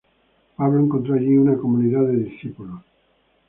Pablo encontró allí una comunidad de discípulos.